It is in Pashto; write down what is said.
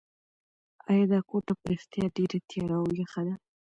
ایا دا کوټه په رښتیا ډېره تیاره او یخه ده؟